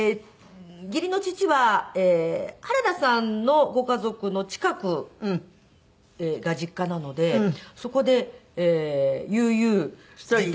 義理の父は原田さんのご家族の近くが実家なのでそこで悠々自適。